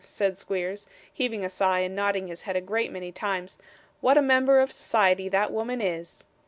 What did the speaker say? said Squeers, heaving a sigh, and nodding his head a great many times, 'what a member of society that woman is!